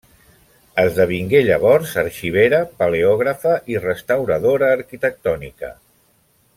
Esdevingué llavors arxivera, paleògrafa, i restauradora arquitectònica.